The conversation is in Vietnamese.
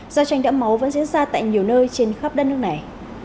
giao tranh đẫm máu vẫn diễn ra tại nhiều nơi trên khắp đất nước này